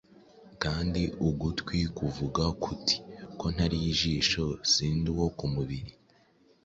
kandi ugutwi kwavuga kuti ‘ ko ntari ijisho, sindi uwo ku mubiri’,